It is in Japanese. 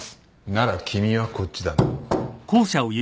なら君はこっちだな。